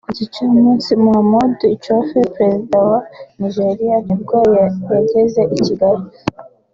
ku gicamunsi Mahamadou Issoufou Perezida wa Niger nibwo yageze i Kigali